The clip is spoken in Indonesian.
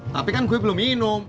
tapi kan gue belum minum